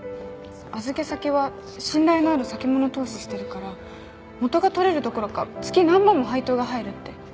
預け先は信頼のある先物投資してるから元が取れるどころか月何万も配当が入るって。